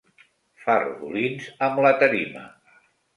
Fa rodolins amb la tarima.